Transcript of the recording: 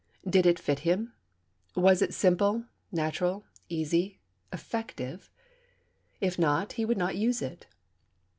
Did it fit him? Was it simple, natural, easy, effective? If not, he would not use it.